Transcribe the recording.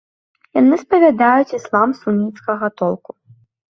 Яны спавядаюць іслам суніцкага толку.